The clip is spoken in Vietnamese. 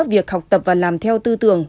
việc học tập và làm theo tư tường